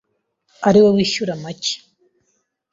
ari we wishyura make